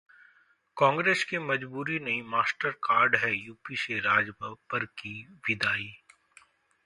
कांग्रेस की मजबूरी नहीं, मास्टरकार्ड है यूपी से राज बब्बर की विदाई!